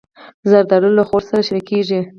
زردالو له خور سره شریکېږي.